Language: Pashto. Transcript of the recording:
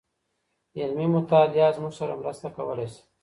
علمي مطالعه زموږ سره مرسته کولای سي.